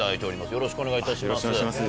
よろしくお願いします。